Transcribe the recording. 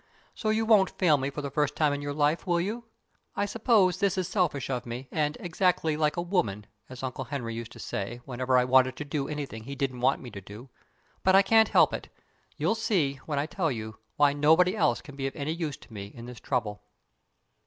So you won't fail me for the first time in your life, will you? I suppose this is selfish of me, and "exactly like a woman" (as Uncle Henry used to say, whenever I wanted to do anything he didn't want me to do), but I can't help it. You'll see, when I tell you, why nobody else can be of any use to me in this trouble.